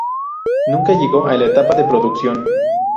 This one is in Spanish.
Nunca llegó a la etapa de producción.